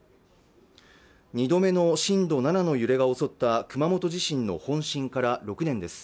２度目の震度７の揺れが襲った熊本地震の本震から６年です